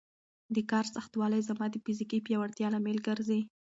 د کار سختوالی زما د فزیکي پیاوړتیا لامل ګرځي.